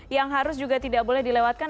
yang harus juga tidak boleh dilewatkan